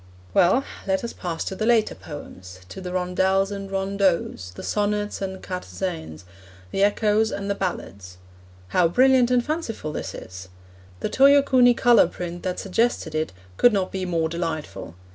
Well, let us pass to the later poems, to the rondels and rondeaus, the sonnets and quatorzains, the echoes and the ballades. How brilliant and fanciful this is! The Toyokuni colour print that suggested it could not be more delightful.